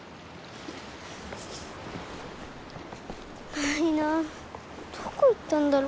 ないなあどこいったんだろう。